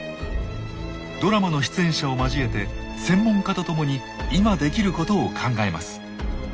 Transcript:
ドラマの出演者を交えて専門家と共に今できることを考えます。